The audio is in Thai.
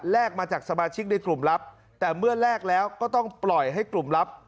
มาจากสมาชิกในกลุ่มลับแต่เมื่อแลกแล้วก็ต้องปล่อยให้กลุ่มลับ